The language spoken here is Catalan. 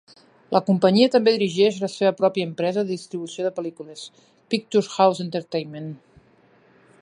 La companyia també dirigeix la seva pròpia empresa de distribució de pel·lícules, Picturehouse Entertainment.